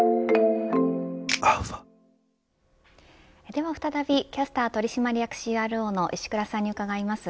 では再びキャスター取締役ＣＲＯの石倉さんに伺います。